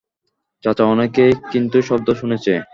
চাচা, অনেকেই কিন্তু শব্দ শুনেছে।